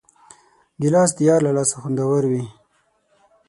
ګیلاس د یار له لاسه خوندور وي.